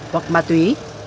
hoặc ma túy